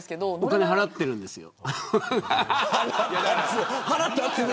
お金払ってるんですよ。